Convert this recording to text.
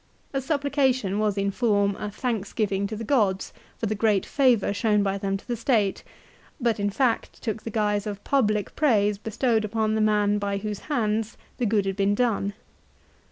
A supplica tion was in form a thanksgiving to th gods for the great favour shown by them to the state, but in fact took the guise of public praise bestowed upon the man by whose hands the good had been done.